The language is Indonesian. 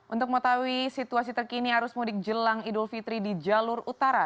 untuk mau tau situasi terkini harus mudik jelang idul fitri di jalur utara